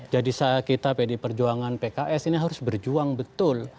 jadi saat kita di perjuangan pks ini harus berjuang betul